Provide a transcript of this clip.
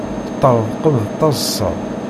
Teṭṭerḍqem d taḍsa.